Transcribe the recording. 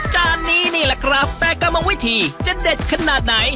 จานนี้นี่แหละครับแต่กรรมวิธีจะเด็ดขนาดไหน